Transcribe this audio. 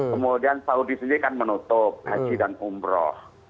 kemudian saudi sendiri kan menutup haji dan umroh